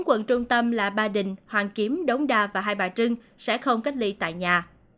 quận trung tâm là ba đình hoàn kiếm đống đa và hai bà trưng sẽ không cách ly tại nhà